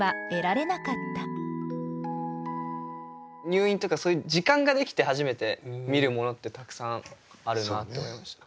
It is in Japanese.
入院とかそういう時間ができて初めて見るものってたくさんあるなって思いました。